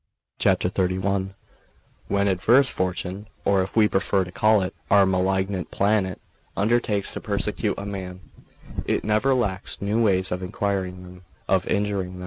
XXXI WHEN adverse fortune, or, if we prefer to call it, our malignant planet, undertakes to persecute a man, it never lacks new ways of injuring him.